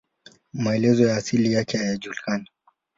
Maelezo ya asili yake hayajulikani.